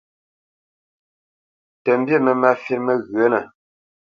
Tə mbî mə́ má fít məghyənə.